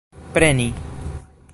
preni